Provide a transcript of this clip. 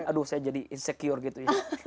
aduh saya jadi insecure gitu ya